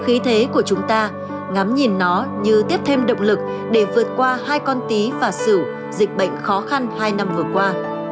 khí thế của chúng ta ngắm nhìn nó như tiếp thêm động lực để vượt qua hai con tí và xử dịch bệnh khó khăn hai năm vừa qua